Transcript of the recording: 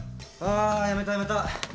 あやめたやめた。